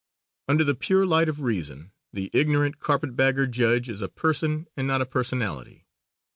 Under the pure light of reason, the ignorant carpet bagger judge is a person and not a personality.